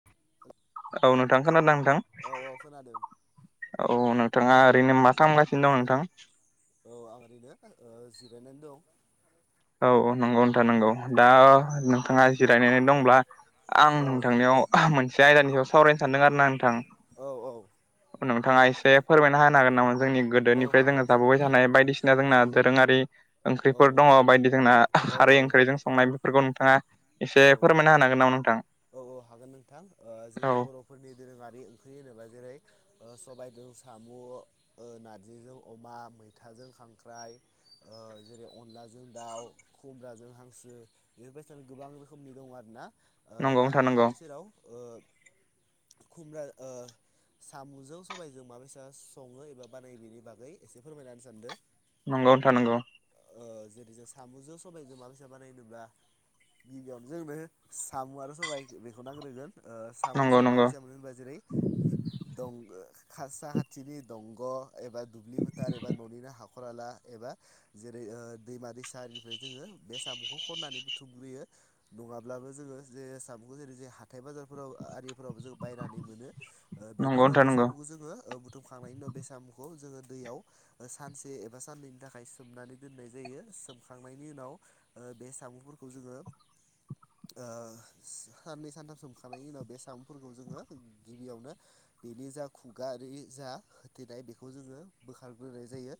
[inaudible] औ नोंथां खोनादों नोंथां? औ औ खोनादों। औ नोंथाङा ओरैनो मा खामगासिनो दं नोंथां? औ आं ओरैनो जिरायनानै दं। औ नंगौ नथा नंगौ दा औ नोंथाङा जिरायनानै दंब्ला आं औ नोंथांनियाव मोनसे आयदानि सायाव सावरायनो सानदों आरो ना नोंथां। औ औ नोंथाङा एसे फोरमायना होनो हागोन नामा जोंनि औ गोदोनिफ्राय हागोन जोङो जाबोबाय नोंथां थानाय बायदिसिना जोंना दोरोङारि औ ओंख्रिफोर दङ बायदि जोंना औ खारै ओंख्रि संनाय बेफोरखौ नोंथाङा एसे औ फोरमायना होनो हागोन नामा नोंथां? औ औ हागोन नोंथां औ जोंनि बर' फोरनि दोरोङारि ओंख्रि होनोबा जेरै सबायजों साम' नारजिजों अमा मैथाजों खांख्राइ जेरै अनलाजों दाउ खुमब्राजों हांसो बेफोरबायदिानो गोबां रोखोमनि दं आरोना नंगौ दा आं नोंथां नंगौ नोंथांनि सेराव ओ खुम्ब्रा ओ साम'जों सबायजों माबेसा सङो एबा बानायो बेनि बागै एसे फोरमायना होनो सानदों। नंगौ नोंथा नंगौ। जेरै जों साम'जों सबाइजों माब्रै संनानै होनोब्ला गिबियावनो जोंनो साम' आरो सबाय बेखौ नांग्रोगोन ओ साम'खौ नंगौ जों नंगौ माजों माब्रै [unintelligible] होनबा जेरै दं खासा खाथिनि दंग' एबा दुब्लि फोथार एबा न'निनो हा खर हाला एबा जेरै दैमा दैसानिफ्राय जोङो बे साम'खौ खननानै बुथुमग्रोयो नङाब्लाबो जोङो जे सामुंखौ जेरै जे हाथाय बाजारफोराव आरिफोरावबो जों बायनानै मोनो ओ बेनि नंगौ उनाव नोंथां बे नंगौ साम'खौ जोङो बुथुमखांनायनि उनाव बे साम'खौ जोङो दैयाव सानसे एबा साननैनि थाखाय सोमनानै दोननाय जायो सोमखांनायनि उनाव बे साम'फोरखौ जोङो ओ साननै सानथाम सोमखांनायनि उनाव बे साम'फोरखौ जोङो गिबियावनो बेनि जा खुगा जा होथेनाय बेखौ जोङो बोखारग्रोनाय जायो।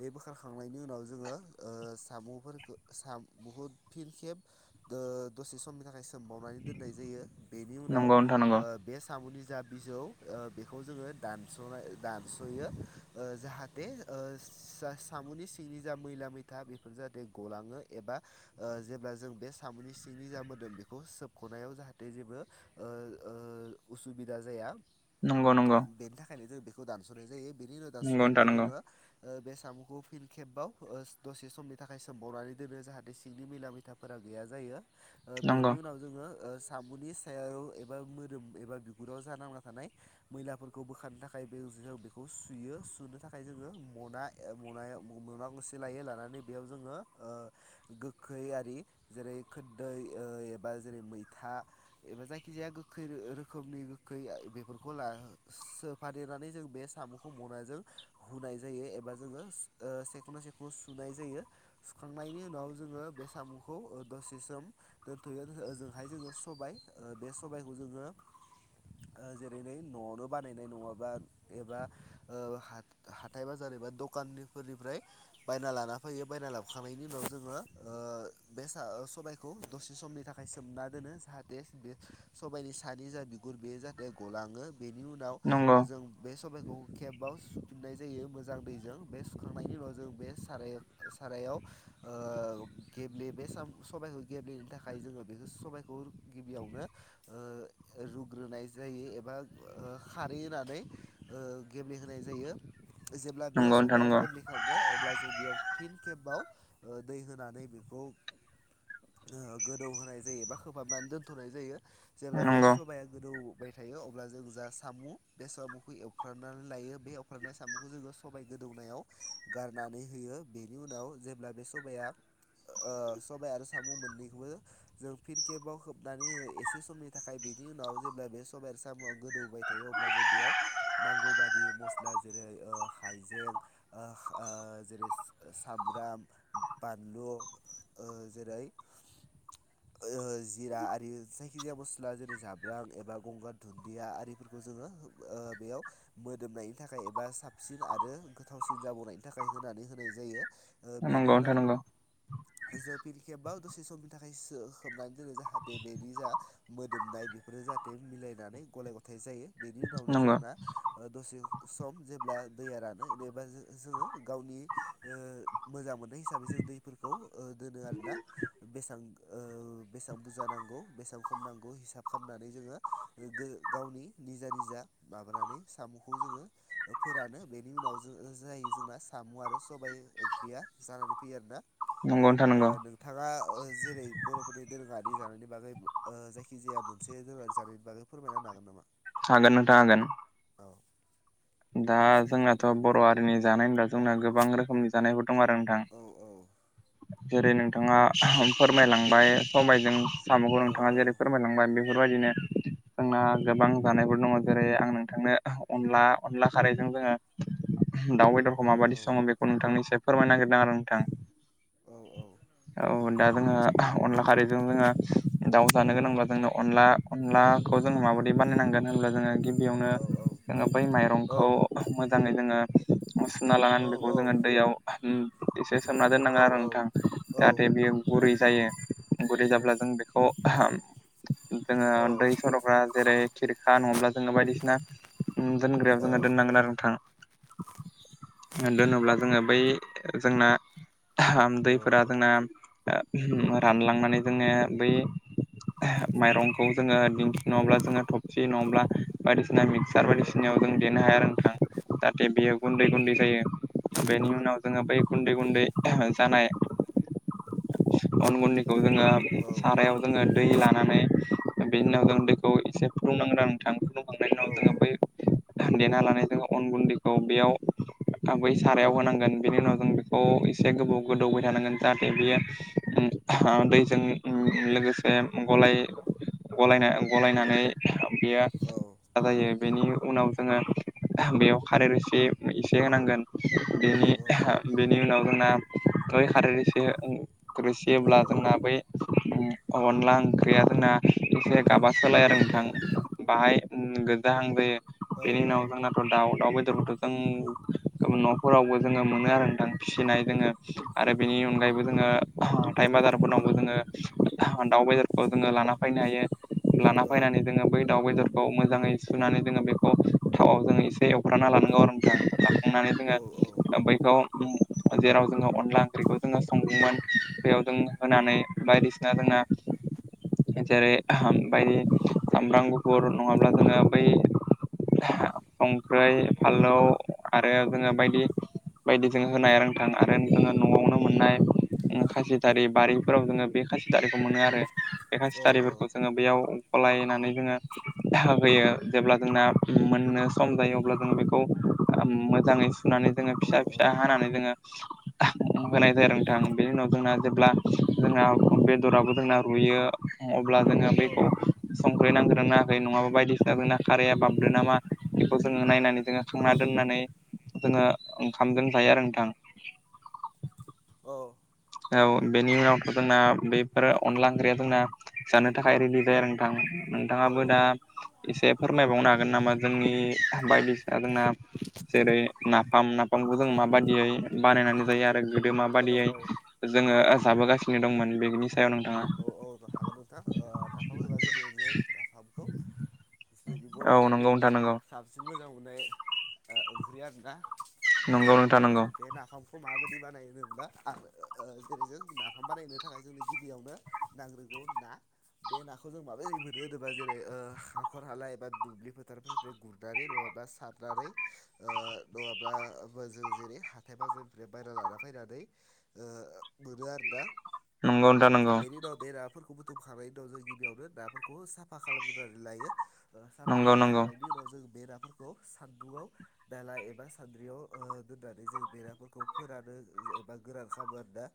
बे बोखारखांनायनि उनाव जोङो ओ साम'फोरखौ बुहुद फिन खेब ओ दसे समनि थाखाय सोमबावनानै दोननाय जायो बेनि उनाव ओ बे साम'नि जा बिजौ बेखौ जोङो दानस' दानस'यो जाहाथे साम'नि सिंनि जा मैला मैथा बेफोर जाहाथे गलाङो एबा जेब्ला जों बे साम'नि सिंनि जा मोदोम बेखौ सोबख'नायाव जाहाथे जेबो उसुबिदा जाया नंगौ नंगौ बेनि थाखायनो जों बेखौ दानस'नाय जायो बेनि उनाव दानस'नायनि नोंथां उनाव नंगौ जोङो ओ बे सामुखौ फिन खेबबाव दसे समनि थाखाय सोमबावनानै दोनो जाहाथे सिंनि मिला मैथाफोरा गैया जायो बेनि नंगौ उनाव जोङो ओ साम'नि सायाव एबा मोदोम एबा बिगुराव जा नांना थानाय मैलाफोरखौ बोखारनो थाखाय बे ज बेखौ सुयो सुनो थाखाय जोङो मना मनायाव मना गंसे लायो लानानै बेयाव जोङो ओ गोखै ला जेरै खोरदै एबा जेरै मैथा एबा जायखिजाया गोखै रोखोमनि गोखै बेफोरखौ ला सो फादेरनानै जों बे साम'खौ मनाजों हुनाय जायो एबा जोङो ओ सेख'ना सेखन सुनाय जायो। सुखांनायनि उनाव जोङो बे सामु खौ दसे सम दोनथ'यो ओजोंहाय जोङो सबाय ओ बे सबायखौ जोङो जेरै नै न'आवनो बानायनाय नङाबा एबा ओ हा-हाथाय बाजार एबा दखानफोरनिफ्राय बायना लाना फैयो बायना लाबोखांनायनि उनाव जोङो ओ बे सा-सबायखौ दसे समनि थाखाय सोमना दोनो जाहाथे बे सबायनि सानि जा गुर बेयो जाहाथे गलाङो बेनि उनाव नंगौ जों बे सबायखौ खेबाव सुफिननाय जायो मोजां दैजों बे सुखांनायनि उनाव जों बे सारायाव सारायाव ओ गि बाम सबाइखौ गेब्लेनो थाखाय जोङो बेखौ सबाइखौ गिबियावनो ओ रुग्रोनाय जायो ओ एबा खारै होनानै ओ गेब्लेहोनाय जायो जेब्ला बे नंगौ नोंथां सबाया नंगौ गेब्ले थाङो अब्ला जों बेयाव फिन कखेब बाव दै होनानैबो खौ ओ गोदौ होनाय जायो एबा खोबहाबनानै दोनथ'नाय जायो। जेब्ला बे नंगौ साबाया गोदौबाय थायो थायो अब्ला जों जा साम' बे साम'खौ एवफ्रामनानै लायो बे एवफ्रामनाय साम'खौ जोङो सबाय गोदौनायाव गारनानै होयो बेनि उनाव जेब्ला बे सबाया ओ सबाय आरो साम' मोननैखौबो जों फिन खेबबाव होबनानै हो एसे समनि थाखाय बिनि उनाव जेब्ला बे सबाइ साम'आ गोदौबाय थायो अब्ला जों बेयाव नांगौ बादि मस्ला जेरै ओ हाइजें आह आ जेरै सामब्राम बानलु ओ जेरै ओ जिरा आरि जायखिजाया मसु्ला जेरै जाब्रां एबा गंगार दुुन्दिया आरिफोरखौ जोङो ओ बेयाव मोदोमनायनि थाखाय एबा साबसिन आरो गोथावसिन जाबावनायनि थाखाय होनानै होनाय जायो। ओ नंगौ बेनि नोंथां उनाव नंगौ जों फिन खेबबाव दसे समनि थाखाय सो-खोबनानै दोनो जाहाथे बेनि जा मोदोमनाय बेफोरो जाहाथे मिलायनानै गलाय गथाय जायो बेनि उनावनो नंगौ जोंना दसे सम जेब्ला दैया रानो एबा जोङो गावनि ओ मोजां मोननाय हिसाबै जों दैफोरखौ ओ दोनो आरोना बेसेबां ओ बेसेबां बुरजा नांगौ बेसेबां खमनांगौ हिसाब खालामनानै जोङो गावनि निजा निजा माबानानै साम'खौ जोङो फोरानो बेनि उनाव ज जायो जोंना साम' आरो सबाय ओंख्रिया जानानै फैयो आरोना नंगौ नोंथां ओ नंगौ नों बिथाङा जेरै बर'फोरनि दोरोङारि जानायनि बागै जायखि जाया मोनसे दोरोङारि जानायनि बागै फोरमायना होनो हागोन नामा? हागोन नोंथां हागोन। औ दा जोंनाथ' बर' हारिनि जानाय होनब्ला जोंना गोबां रोखोमनि जानायफोर दं आरो नोंथां। जेरै नोंथाङा फोरमायलांबाय स'बायजों साम'खौ नोंथाङा जेरै फोरमायलांबाय बेफोरबायदिनो जोंना गोबां जानायफोर दङ जेरै आं नोंथांनो अनला अनला खारैजों जोङो दाउ बेदरखौ माबायदि सङो बेखौ नोंथांनिस फोरमाय नागिरदों आरो नोंथां। औ-औ। औ दा जोङो अनला खारैजों जोङो दाउ जानो गोनांब्ला जोंनो अनला अनलाखौ जोङो माबोरदि बानायनांगोन होन्ला जोङो गिबियावनो जोङो बै माइरंखौ मोजाङै जोङो सुना लानानै बेखौ जोङो दैयाव एसे सोमना दोननाङा आरो नोंथां जाहााथे बेयो गुरै जायो गुरै जाब्ला जों बेखौ जोङो दै सरब जेरै खिरखा नङाब्ला जोङो बायदिसिना उम दोनग्राब जोङो दोननांगोन आरो नोंथां। दोनोब्ला जोङो बै जोंना दै जोंना रानलांनानै जोङो बै माइरंखौ जोङो दिंखि नङाब्ला जोङो थबसि नङाब्ला बायदिसिना मिक्सार बायदिसिनााव जों देनो हाया आरो नोंथां जाहाथे बेयो गुन्दै गुन्दै जायो। बेनि उनाव जोङो बै गुन्दै गुन्दै जानाय अन गुन्दैखौ जोङो सारायाव जोङो दै लानानै बेनि उनाव जों दैखौ एसे फुदुंनांग रां थांखुंखांनायनि उनाव दोङो बै दान्देना लानाय ज अन गुन्दैखौ बेयाव आबै सारायाव होनांगोन बेनि उनाव जों बेखौ एसे गोबाव गोद दौबाय थानांगोन जाहाथे बियो दैजों लोगोसे गलाय गलायना गलायनानै बेयो औ। जायो बेनि उनाव जोङो बेयाव खारेर एसे एसे होनांगोन। बेनि उनाव जोंना गय खारैसे खुरैसे होब्ला जोंना बै अनला ओंख्रिया जोंना एसे गाबा सोलाय आरो नोंथां बाहाय गोजाहां जायो बेनि उनाव जोंना दाउ दाउ बेदरखौथ' जों गोबां न'फोरावबो जोङो मोनो आरो दां फिसिनाय जोङो आरो बेनि अनगायैबो जोङो हाथाइम बाजारफोरनावबो जोङो दाउ बेदार जोङो लाना फैनो हायो लाना फैनानै जोङो बै दाउ बेदर खौ मोजाङै सुनानै जोङो बेखौ थावाव जोङो एसे एवफ्रानना लानांगौ आरो नोंथां। फुंनानै जोङो बैखौ जेराव जोङो अनला ओंख्रिखौ जोङो संदोंमोन बेयाव जों होनानै बायदिसिना जोंना जेरै बाय सामब्राम गुफुर नङाब्ला जोङो बै संख्रि फालौ आरो जोङो बायदि बायदिजों होनायाया रोंथां आरो जोङो न'आवनो मोननाय खासि थारि बारिफोराव जोङो बे खासि दारिखौ मोनो आरो बे खासिथारिफोरखौ जोङो बेयाव खलायनानै जोङो होयो जेब्ला जोंना मोननो सम जायो अब्ला जोङो बेखौ मोजाङै फुनानै जोङो फिसा फिसा हानानै जोङो होनाय जायो नोंथां बेनि उनाव जोंना जेब्ला जोंना बेदराबबो जोंना रुयो अब्ला जोङो बैखौ संख्रै नांग्रोनो नाङाखै नङाबा बायदिसिना जोंना खाराया बाबदो नामा बेखौ जोङो नायनानै जोङो खांना दोननानै जोङो ओंखाम दोनजायो आरो नोंथां औ औ बेनि उनावथ' जोंना बेफोर अनला ओंख्रिया जोंना जानो थाखाय रेडि जायो आरो नोंथां नोंथाङाबो दा एसे फोरमायबावनो हागोन नामा जोंनि बायदिसिना जोंना जेरै नाफाम नाफामखौ जों माबायदियै बानायनानै जायो आरो गोदो माबाददियै औ जोङो जाबोगासिनो दंमोन बेनि सायाव नोंथाङा औ औ हागोन नोंथां नाफाम बाजजै नाफामखौ जोंनि औ बर'फोरनि नंगौ नोंथां नंगौ साबसिन मोजां मोननाय ओंख्रिय दा नंगौ नोंथां नंगौ बे नाफामखौ खौ माबायदि बानायो होनोब्ला जेरै जों नाफाम बानायनो थाखाय जोंनि गिबियावनो नांग्रोगौ होन ना बे नाखौ जों माबा जै मोनो होनोबा जेरै हाखर हालाय बा दुब्लि फोथार ओमफ्राय गुरनानै नङाबा सारनानै नङाब्ला जों जेरै हाथाय बाजारनिफ्राय बायेरा लाना फैनानै बोआ आरो दा नंगौ नोंथां नंगौ बेनि बे नाफोरखौ बुथुमखांनायनि उनाव जों गिबियावनो नाफोरखौ साफा खालामग्रोनानै लायो साफा नंगौ नंगौ खालामखांनायनि उनाव जों बेराफोरखौ सान्दुंङआव दाला एबा सान्द्रियाव दोननानै जों बेराफोरखौ फोरानो एबा गोरान खालामो आरो दा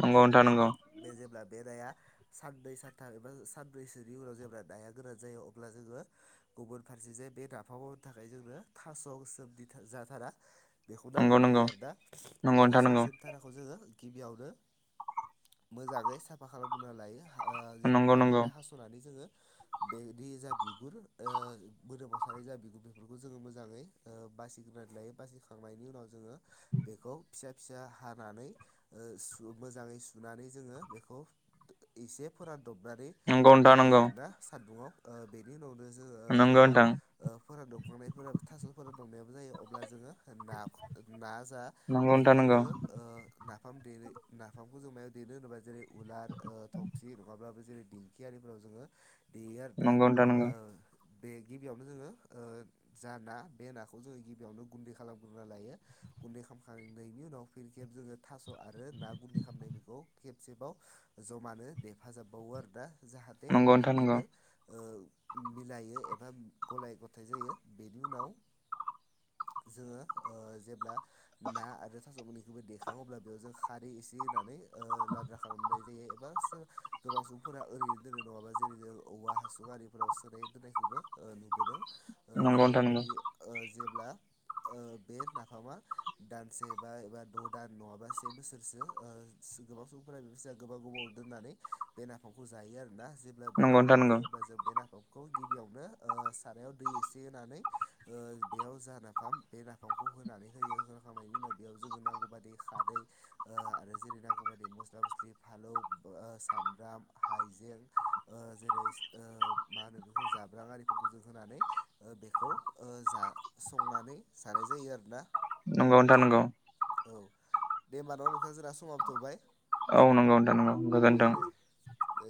नंगौथा नंगौ बे जेब्ला बे दाया सानब्रै सानथाम एबा सानब्रैसोनि उनाव जेब्ला दनायाया गोरान जायो अब्ला जोङो गुबुन फारसे जे बे नाफा मावनो थाखाय जोंनो थास' सोमदि जाथारा बेखौ नांगौ नंगौ जायो आरो दा बे नोंथां थास'सो नंगौ फधाराखौ जोङो गिबियावनो मोजाङै साफा खालामगना लायो जेरै नंगौ नंगौ बिफाननिफ्राय हास'नानै जोङो बेदि जा बिगुर मोदोमाव सानाय जा बिगुर बेफोरखौ जोङो मोजाङै बासिगोनानै लायो बासिखांनायनि उनाव जोङो बेखौ फिसा फिसा हानानै मोजाङै सुनानै जोङो बेखौ एसे फोरानदबनानै नंगौ नोंथां दोनो नंगौ आरोना सान्दुङाव बेनि उनावनो नंगौ नोंथां नंगौ नोंथां नंगौ जोङो जेब्ला फोर दौखांनायफोर थास'फोरा दंनायाबो जायो अब्ला जोङो ना ना जा नोंथां बेखौ नंगौ जोङो नाफाम देरो नाफामखौ जों मायाव देरनो होनोब्ला जेरै उलार थबसि नङाब्लाबो जेरै दिंखियारिफोराव जोङो देयो आरोना नंगौ नोंथां नंगौ बे गिबियावनो जोङो जा ना बे नाखौ जोङो गिबियावनो गुन्दै खालामग्रोना लायो गुन्दै खालामखांनायनि उनाव फिर खेब जोङो थास' आरो ना गुन्दै खालामनाय बेखौ खेबसेबाव जमानो हेफाजाबबावो आरो दा जाहाथे नंगौ नोंथां नंगौ मोननैबो मिलायो एबा गलाय गथाय जायो बेनि उनाव जोङो जेब्ला ना आरो थास' गैखौबो देखाङ अब्ला बेयाव जों खारै एसे होनानै लाद्रा खालामनाय ज बे बास गोबां सुबुंफोरा ओरैनो दोननाय नङाबा जेरै जों औवा हासु आरिफोराव सोनाय दोननायखौबो नुबोदों नंगौ नोंथां नंगौ जेरैबायदि जेब्ला बे नाफामा दानसे बा एबा द' दान नङाबा से बोसोरसो गोबां सुबुंफोरा बे जागोन गोबाव गोबाव दोननानै बे नाफामखौ जायो आरोना जेब्ला बे नंगौ नोंथां नाफामाव नंगौ जायो अब्ला जों बे नाफामखौ खौ गिबियावनो सारायाव दै एसे होनानै ओ बेयाव जा नाफाम बे नाफामखौ होनानै होयो होनखांनायनि उनाव बेयाव जोङो नांगौ बादि खारै ओ आरो जेरै नांगौबानि मस्ला-मस्लि फालौ, ओ सामब्राम, हाइजें ओ जेरै ओ मा होनो बेखौ जाब्रां आरिफोरखौ जों होनानै ओ बेखौ ओ जा संनानै जानाय जायो आरोना नंगौ नोंथां नांगौ औ दे होमबा न' नोंथा जोंना समाबो थौबाय औ नंगौ नों द नगौ औ दे दे